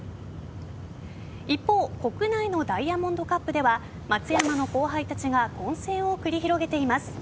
一方国内のダイヤモンドカップでは松山の後輩たちが混戦を繰り広げています。